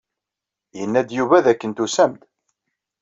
Yenna-d Yuba dakken tusam-d.